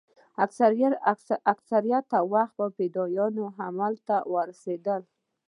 اکثره وخت به فدايان همدلته اوسېدل.